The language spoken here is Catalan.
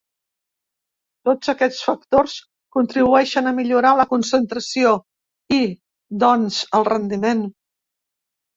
Tots aquests factors contribueixen a millorar la concentració i, doncs, el rendiment.